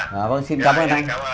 dạ vâng xin cảm ơn anh